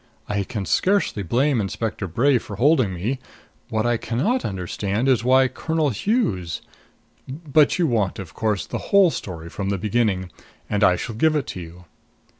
I can scarcely blame Inspector Bray for holding me; what I can not understand is why Colonel Hughes But you want, of course, the whole story from the beginning; and I shall give it to you.